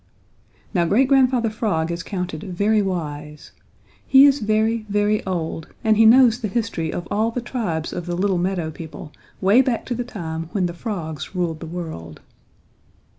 Now Great Grandfather Frog is counted very wise. He is very, very old and he knows the history of all the tribes of little meadow people way back to the time when the frogs ruled the world.